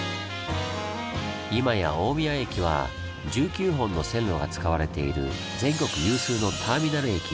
今や大宮駅は１９本の線路が使われている全国有数のターミナル駅。